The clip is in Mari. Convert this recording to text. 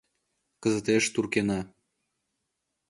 Кызытеш туркена.